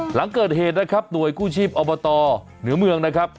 หลบเห็ดน่ะครับนวยกู้ชีพอบตเหลือเมืองนะครับ